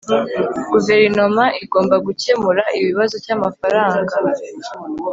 guverinoma igomba gukemura ikibazo cyamafaranga